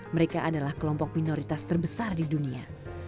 mereka adalah kelompok minoritas terbesar di dunia